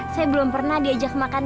saya belum pernah diajak makan